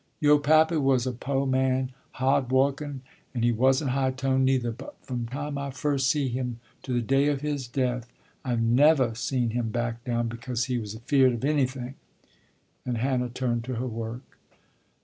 Yo' pappy was a po' man, ha'd wo'kin', an' he wasn't high toned neither, but from the time I first see him to the day of his death, I nevah seen him back down because he was afeared of anything," and Hannah turned to her work.